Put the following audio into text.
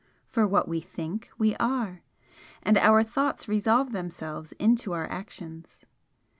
For what we THINK, we are; and our thoughts resolve themselves into our actions.